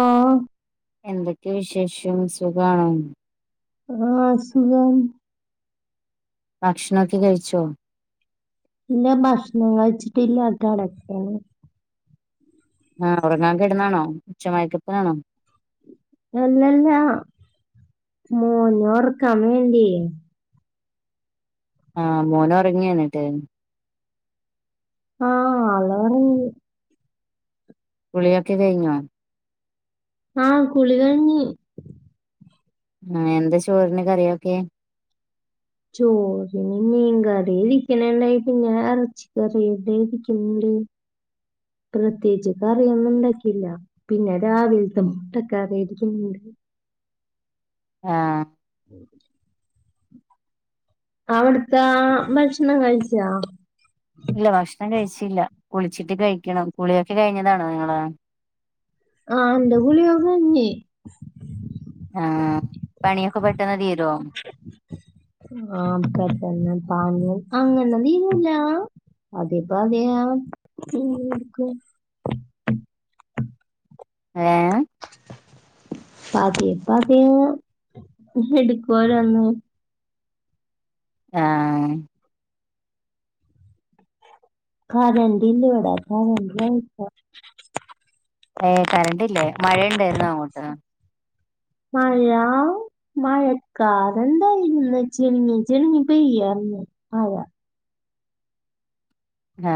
ആ എന്തൊക്കെ വിശേഷം സുഖാണോ ആഹ് സുഖം ഭക്ഷണൊക്കെ കഴിച്ചോ ഇല്ല ഭക്ഷണം കഴിച്ചിട്ടില്ല കെടക്കാണ്. ആ ഉറങ്ങാൻ കിടന്നാണോ? ഉച്ചമായയക്കത്തിലാണോ? അല്ലല്ലാ മോനെ ഒറക്കാൻ വേണ്ടിയെ ആ മോന് ഒറങ്ങിയോ ന്നിട്ട് ആ അലവറ കുളിയൊക്കെ കഴിഞ്ഞോ ആ കുളികഴഞ്ഞി ആ എന്താ ചോറിന് കറിയൊക്കെ ചോറിങ്ങ മീൻ കറി [unintelligible] ഉം പ്രത്യേകി കറിയൊന്നും ഉണ്ടാക്കിയില്ല പിന്നെ രാവിലത്തെ മുട്ടൊക്കെറി യിരിക്കുന്നുണ്ട് [inaudible] ആ [inaudible] അവിടത്തെ ഭക്ഷണം കഴിച്ചാ ഇല്ല ഭക്ഷണം കഴിച്ചില്ല കുളിച്ചിട്ട് കഴിക്കണം കുളിയൊക്കെ കഴിഞ്ഞതാണോ നിങ്ങള ആ എന്റെ കുളിഒക്കെ കഴിഞ്ഞ് ആ പണിയൊക്കെ പെട്ടെന്ന് തീരോ ആക്ക പഞ്ഞൽ അങ്ങനതീന്നല്ല അതെപ്പ അതെ എ [inaudible] ഏ പതിയെ പതിയെ. എടുക്കുവരോ അന്ന് ആ കരണ്ട് ഇല്ല എവിടാ കരണ്ടി ആയിട്ട ഏ കറണ്ട്ല്ലേ മഴുണ്ടായിരുന്ന അങ്ങോട്ട് മഴ മഴക്കാറ് ഉണ്ടായിൻ ചെളങ്ങി ചെളങ്ങ പെയ്യറഞ്ഞ ആഴ ആ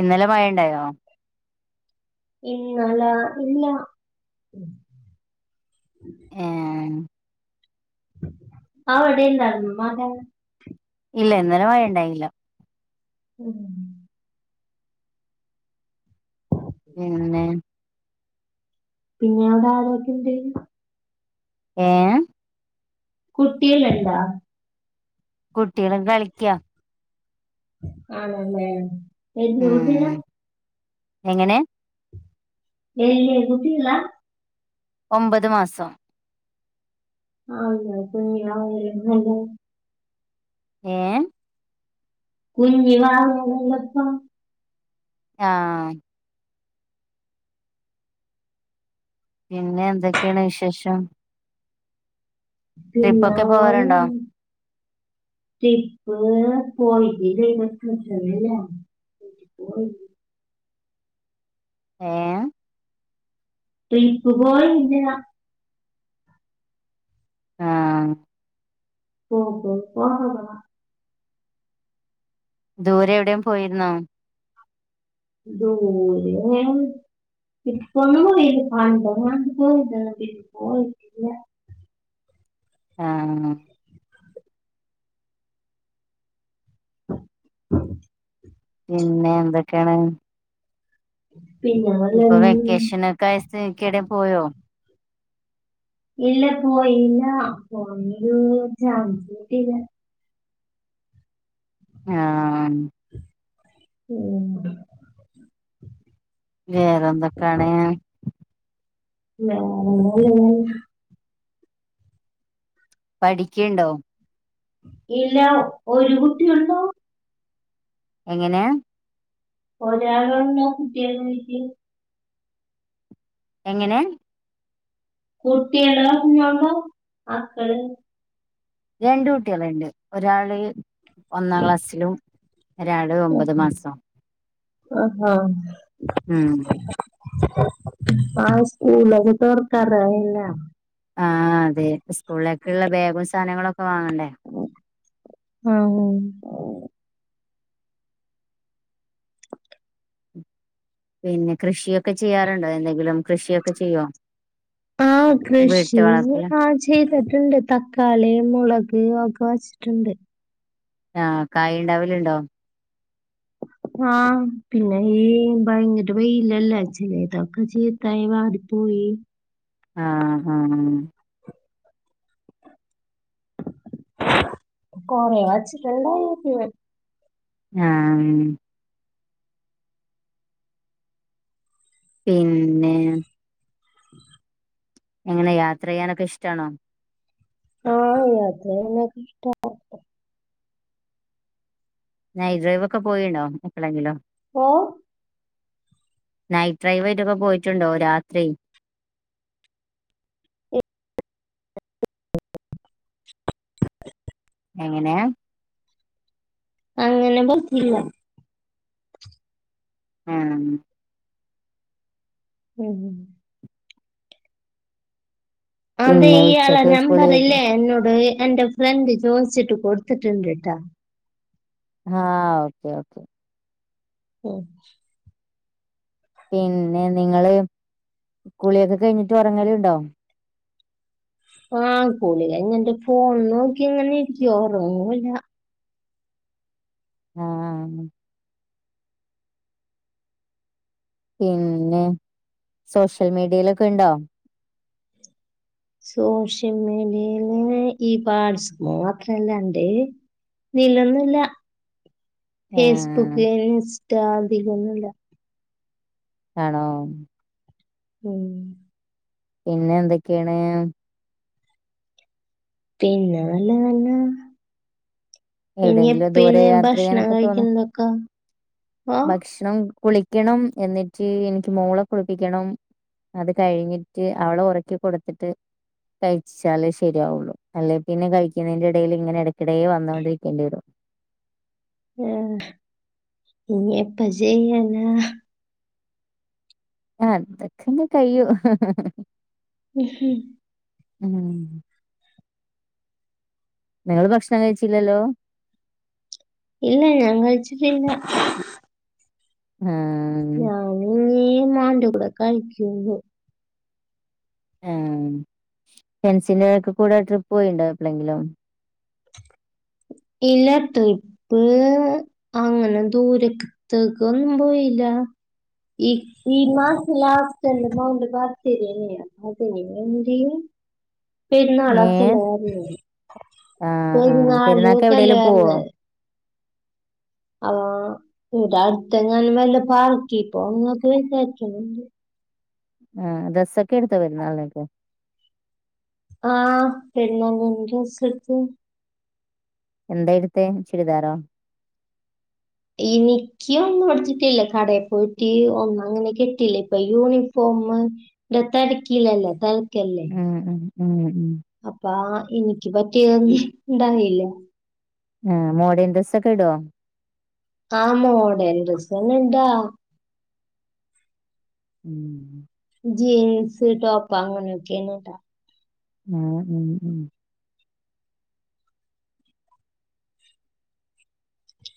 ഇന്നലെ മഴ ഉണ്ടായോ ഇന്നലെ ഇല്ല ഏ.... ആടെല്ലാരരുന്നു മത ഇല്ല ഇന്നോലും വഴ ഉണ്ടായില്ല ഉം പിന്നെ പിന്നെ അവിടെ ആരോക്കെ ഉണ്ട് ഏ കുട്ടികളുണ്ടോ കുട്ടികളും കളിക്കാം ആണല്ലേ എന്ത് കുട്ടിയ ഉം എങ്ങനെ വല്യ കുട്ടികള ഒമ്പത് മാസം ആല്ലിയല്ല [inaudible] ഏ കുഞ്ഞി വാവ ആണല്ലോ [inaudible] ആ...... പിന്നെ എന്തൊക്കെയാണ് വിശേഷം പിന്ന ട്രിപ്പൊക്കെ പോവാറുണ്ടോ ടിപ്പ പോയിട്ടില്ല ഇല്ല [inaudible] ഉം ഏ..... ട്രിപ്പ് പോയി ഇന്നതാ ആ ഓ പോ പോ [unintelligible] ദൂരെ എവിടെയും പോയിരുന്നോ ദൂരെ ഇപ്പൊന്നും പോയീല പണ്ടെങ്ങാണ്ട് പോയതാണ് പിന്നെ പോയിട്ടില്ല ആഹ പിന്നെ എന്തൊക്കെയാണ് [inaudible] ഇപ്പൊ വല്ലതും വെക്കേഷൻ ഒക്കെയായ സ്ഥിതിക്ക് ഏടെ പോയോ ഇല്ല പോയില്ല പോനൊരു ചാൻസ്ട്ടില്ല ആഹ ഉം വേറെന്തൊക്കാണ് വേറെ [unintelligible] പഠിക്കേണ്ടോ ഇല്ല ഒരു കുട്ടിയുള്ളൂ എങ്ങനെയാ ഒരാളോള്ളൂ കുട്ടികളായിറ്റ് എങ്ങനെ കുട്ടിയുള്ള കുഞ്ഞോണ്ടോ മക്കള് രണ്ട് കുട്ടികളുണ്ട് ഒരാള് ഒന്നാം ക്ലാസ്സിലും ഒരാള് ഒമ്പത് മാസം ആഹ ഉം ആ സ്കൂളോകെ തൊറക്കാറായില്ലേ ആഹ അതെ സ്കൂളിലേക്ക്ള്ള ബേഗും സാനങ്ങളൊക്കെ വാങ്ങണ്ടേ ആഹ പിന്നെ കൃഷിയൊക്കെ ചെയ്യാറുണ്ടോ എന്തെങ്കിലും കൃഷിയൊക്കെ ചെയ്യോ ആഹ വീട്ടു കൃഷി വളപ്പില് ആ ചെയ്തിട്ട്ണ്ട് തക്കാളി മുളക് [unintelligible] ഒക്കെ വെച്ചിട്ടുണ്ട് ആഹ് കായിണ്ടാവല്ണ്ടോ [inaudible] ആഹ പിന്നെ ഈ ഭയങ്കര വെയിലല്ലേ ചെലെതൊക്കെ ചീത്തായി വാടിപ്പോയി പി ആഹ് ആഹ കുറേ വച്ചിട്ടുണ്ടായി [unintelligible] ങാഹ പിന്നെ [unintelligible] ങ്ങനെ യാത്രയ്യാനൊക്കി ഷ്ടാണോ ആഹ യാത്രയ്യാനൊക്കെ ഇഷ്ട നൈറ്റ് ഡ്രൈവ് ഒക്കെ പോയിനോ എപ്പളെങ്കിലും ഓ നൈറ്റ് ഡ്രൈവായിട്ടൊക്കെ പോയിറ്റ്ണ്ടോ രാത്രി എ [unintelligible] എ എങ്ങനെയാ അങ്ങനെ പോയ്റ്റ്ല്ല ആഹ ഉം അതെ പിന്നെ ഇയാളെ ഉച്ചക്ക് സ്കൂളിലേക്ക് നമ്പറില്ലെ എന്നോട് എന്റെ ഫ്രണ്ട് ചോദിച്ചിട്ട് കൊട്ത്തിട്ട്ണ്ട്ട്ടാ ആഹ ഓക്കെ ഓക്കേ. ഉം പിന്നെ നിങ്ങള് കുളിയൊക്കെ കഴിഞ്ഞിട്ട് ഒറങ്ങല്ണ്ടോ? ആ കുളി കൈഞ്ഞ്ട്ട് ഫോണ് നോക്കിങ്ങനെ ഇരിക്കും ഒറങ്ങില്ല. ആഹ. പിന്നെ സോഷ്യൽ മീഡീയലൊക്കെണ്ടോ? സോഷ്യൽ മീഡിയയില് ഈ [unintelligible] മാത്രംല്ലണ്ട്. ബില്ലൊന്നുല്ല. ആഹ് ഫേസ്ബുക്ക് ഇൻസ്റ്റ അതിലൊന്നുല്ല. ആണോ. ഉം. പിന്നെ എന്തൊക്കേണ് പിന്നെ ലാലാ. ഇനി എവിടെയെങ്കിലും ദൂരെ എപ്പിനെ യാത്ര ഭക്ഷണം ചെയ്യാനൊക്കെ തോന്ന കഴിക്കുന്നൊതക്കാ ഓ. ഭക്ഷണം കുളിക്കണം. എന്നിട്ട് എനിക്ക് മോളെ കുളിപ്പിക്കണം. അത് കഴിഞ്ഞിട്ട് അവളെ ഉറക്കി കൊടുത്തിട്ട്, കഴിച്ചാലെ ശരിയാവുള്ളു. അല്ലെ പിന്നെ കഴിക്കുന്നന്റെ എടേല് ഇങ്ങനെ എട കിടേ വന്നോണ്ട്ക്കേണ്ട്യരും. ആഹ ഇനി എപ്പ ചെയ്യാനാ. അതൊക്കെ ന്ന് കയും ഹ ഹ ഹ. ഉ ഹും ഉം. നിങ്ങള് ഭക്ഷണം കഴിച്ചില്ലല്ലോ. ഇല്ല ഞാൻ കഴിച്ചിട്ടില്ല. ആ ഞാനും ഈ ഉമ്മാൻ്റെ കൂടെ കഴിക്കൊള്ളൂ. ഏ ഫ്രണ്ട്സിന്റെ ഒക്കെ കൂടെ ട്രിപ്പ് പോയീണ്ടാ എപ്പളെങ്കിലും. ഇല്ല ട്രിപ്പ് അങ്ങനെ ദൂരത്തെക്കൊന്നും പോയില്ല. ഈ ഈ മാസം ലാസ്റ്റ് എൻ്റെ മോൻ്റെ ബർത്തഡേണ്. അതിനുവേണ്ടി ഏ പെരുന്നാളൊക്കെല്ലേ വരണത്. ആ ആ പെരുന്നാള് [unintelligible] പെരുന്നാക്ക് എവിടെലും പോവോ ആ ഈടെ അടുത്തെങ്ങാനും വെല്ല പാർക്കി പോവാന്നൊക്കെ വിചാരിക്കണണ്ട്. ആ ഡ്രസ്സൊക്കെ എടുത്ത പെരുന്നാളിന്. ആ പെരുന്നാളിന് ഡ്രസ്സ് എടുത്ത്. എന്തായെടുത്തെ ചുരിദാറോ? എനിക്ക് ഒന്നും മേടിച്ചിട്ടില്ല. കടയിൽ പോയിട്ട് ഒന്നും അങ്ങനെ കിട്ടീല്ല. ഇപ്പൊ യൂണിഫോം ഫോമ് തെരക്കിലല്ലേ, തെരക്കല്ലേ ഉം ഉം ഉം ഉം അപ്പാ എനിക്ക് പറ്റിയതൊന്നും ഉണ്ടാവില്ല. ആ മോഡേൺ ഡ്രസ്സ് ഒക്കെ ഇടോ? ആ മോഡേൺ ഡ്രസ്സനെ ഇടാ. ഉം. ജീൻസ്, ടോപ്പ് അങ്ങനെയൊക്കെയാണ് ഇടാ. ഉം ഉം.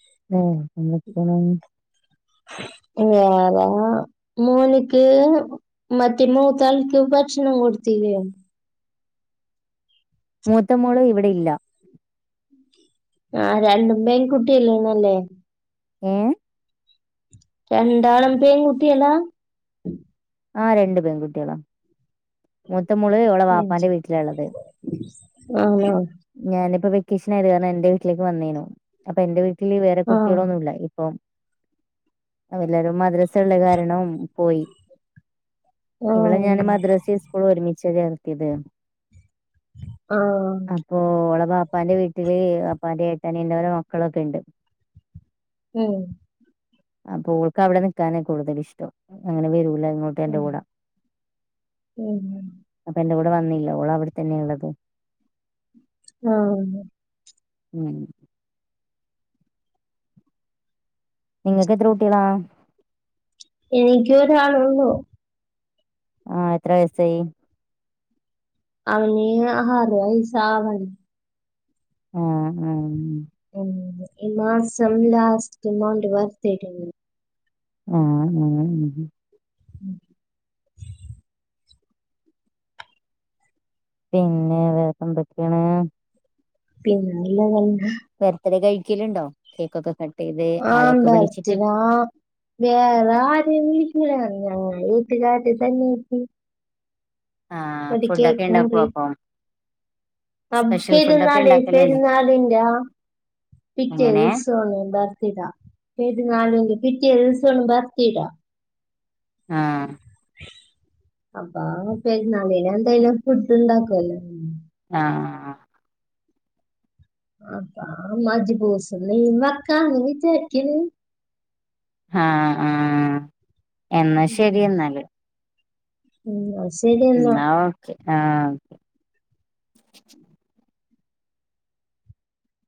[unintelligible] വേറെ അങ്ങ മോന്ക്ക് മറ്റേ മൂത്താൾക്ക് ഭ ക്ഷണം കൊടുത്തില്ലേ? മൂത്തമോള് ഇവിടില്ല. ആ രണ്ടും പെൺകുട്ടിനല്ലെ അല്ലെ. ഏ രണ്ടാളും പെൺകുട്ടികളാ. ആ രണ്ടു പെൺകുട്ടികളാ. മൂത്തമോള് അവൾടെ വാപ്പാന്റെ വീട്ടിലാ ഉള്ളത്. ആ ആ ഞാനിപ്പ വെക്കേഷൻ ആയത് കാരണം എന്റെ വീട്ടിലേക്ക് വന്നേനു. അപ്പൊ എന്റെ വീ ട്ടില് വേറെ ആ കുട്ടികളൊന്നും ഇല്ല ഇപ്പം എല്ലാരും മദ്രസ ഉള്ള കാരണം പോയി. ആ ഇവിടെ ഞാന് മദ്രാസേം സ്കൂളും ഒരുമിച്ചാ ചേർത്തിയത്. ആ അപ്പൊ ഓൾടെ വാപ്പാൻ്റെ വീട്ടില് അപ്പാന്റെ ഏട്ടൻ എന്റെ ഓരോമക്കളൊക്കെ ഉണ്ട്. ഉം അപ്പൊ ഓൾക്ക് അവിടെ നിക്കാനാ കൂടുതല് ഇഷ്ടം. അങ്ങനെ വരൂല ഇങ്ങോട്ട് എൻ്റെ ഉം കൂടെ. ഉം അപ്പ എൻ്റെ കൊ ടെ വന്നില്ല ഓള് അവിടെത്തന്നെയാ ഉള്ളത്. ആ ഉം നിങ്ങക്ക് എത്ര കുട്ടികളാ? എനിക്ക് ഒരാളെ ഉള്ളൂ. ആ എത്ര വയസായി. അവന് ആറ് വയസാവണ്. ആ ആ ഉം ഉം ഈ മാസം ലാസ്റ്റ് മോൻ്റെ ബർത്തഡേണ്. ആ ഉം ഉം ഉം പിന്നെ വേക്ക എന്തൊക്കെയാണ് പിന്നെ [unintelligible] ബെർത്ത്ഡേ കഴിക്കലുണ്ടോ കേക്കൊക്കെ ക ആ ബർത്തിടെ വേറെര വിളിക്കക്കില്ല ഞാങ്ങ [unintelligible] ആഹ് ഒരു ഫുഡൊക്കെ കേക്ക് ഉണ്ടാക്കോ മുറി അപ്പൊ ആ സ്പെഷ്യൽ ഫുഡൊക്കെ പെരുന്നാള് ഉണ്ടാക്കലുണ്ടോ പെരുന്നാളിന്റെ ആ പിറ്റേ എങ്ങനെ ദിവസാണ് എന്താ ടാ പെരുന്നാളിൻ്റെ പിറ്റി ദിവസആണ് ഭർത്തിടാ ആ അപ്പാ പെരുന്നാളിനെ എന്തായാലും ഫുഡ് ഇണ്ടാക്കല്ലോ ആ ആ അപ്പ മജ് പൂസ നീ വക്കാന്ന് വിചാരിക്ക ആ ആ എന്നാ ശരി എന്നാല് ഉം ഇന്നാ ഓക്കെ ആ